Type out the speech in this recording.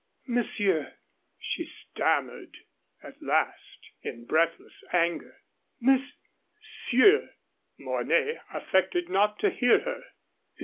"Monsieur," she stammered at last in breathless anger "monsieur " Mornay affected not to hear her.